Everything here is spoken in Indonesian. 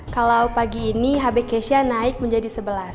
kalau pagi ini hb cashya naik menjadi sebelas